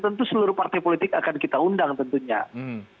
tentu seluruh partai politik akan kita undang tentunya